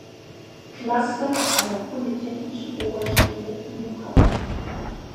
Klasse an der Polytechnischen Oberschule in Luckau.